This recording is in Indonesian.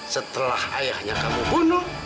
setelah ayahnya kamu bunuh